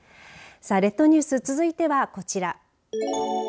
さあ列島ニュース続いてはこちら。